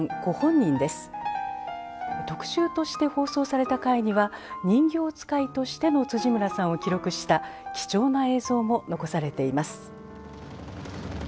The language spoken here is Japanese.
特集として放送された回には人形遣いとしての村さんを記録した貴重な映像も残されています。